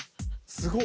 すごーい！